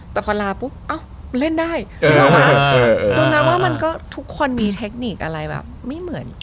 แต่พอลาปุ๊บเอ้าเล่นได้ดังนั้นว่ามันก็ทุกคนมีเทคนิคอะไรแบบไม่เหมือน